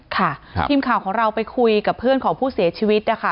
ค่ะทีมข่าวของเราไปคุยกับเพื่อนของผู้เสียชีวิตนะคะ